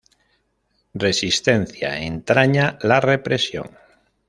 Resistencia entraña la represión.